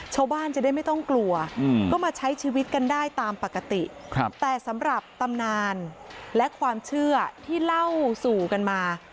ชาวบ้านจะได้ไม่ต้องกลัวก็มาใช้ชีวิตกันได้ตามปกติแต่สำหรับตำนานและความเชื่อที่เล่าสู่กันมา